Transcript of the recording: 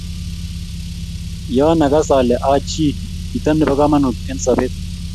yoon akas ale achi chito nebo kamanut eng' sobet